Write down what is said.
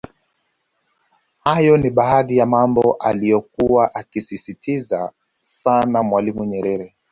Hayo ni baadhi ya mambo aliyokua akisisitiza sana Mwalimu Nyerere